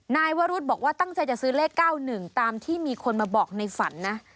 นายวรุธบอกว่าตั้งใจจะซื้อเลข๙๑ตามที่มีคนมาบอกในฝันนะ